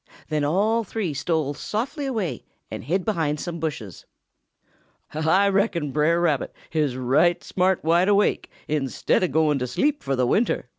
Then all three stole softly away and hid behind some bushes. "Ah reckon Brer Rabbit is right smart wide awake instead of going to sleep fo' the winter!"